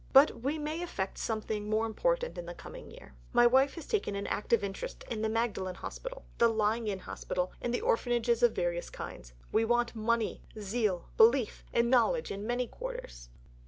But we may effect something more important in the coming year. My wife has taken an active interest in the Magdalen Hospital, the Lying in Hospital, and the orphanages of various kinds. We want money, zeal, belief; and knowledge in many quarters.